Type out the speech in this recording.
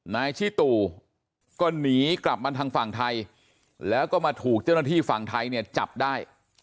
ชิตูก็หนีกลับมาทางฝั่งไทยแล้วก็มาถูกเจ้าหน้าที่ฝั่งไทยเนี่ยจับได้